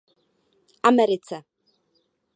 Americe.